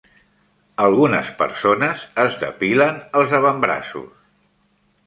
Algunes persones es depilen els avantbraços.